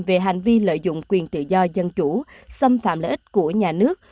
về hành vi lợi dụng quyền tự do dân chủ xâm phạm lợi ích của nhà nước